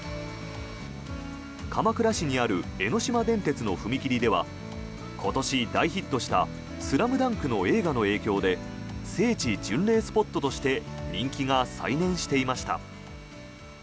鎌倉市にある江ノ島電鉄の踏切では今年大ヒットした「ＳＬＡＭＤＵＮＫ」の映画の影響で聖地巡礼スポットとして人気が再燃していました。